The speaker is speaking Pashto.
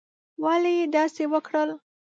ولي یې داسي وکړل؟